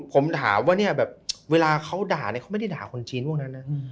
ผมถามว่าเวลาเขาด่าเขาไม่ได้ด่าคนชีนพวกนั้นนะ